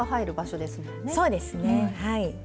そうですねはい。